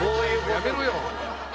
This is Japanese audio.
やめろよ。